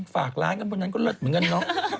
ฝากร้านกันบนนั้นก็เลิศเหมือนกันเนาะ